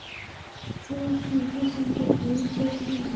څه وخت یو جسم چارج لرونکی کیږي؟